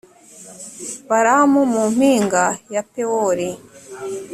balamu mu mpinga ya pewori